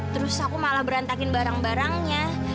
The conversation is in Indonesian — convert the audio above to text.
terus aku malah berantakin barang barangnya